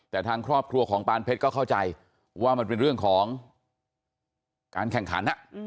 แต่ทางครอบครัวของปานเพชรก็เข้าใจว่ามันเป็นเรื่องของการแข่งขัน